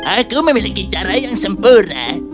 aku memiliki cara yang sempurna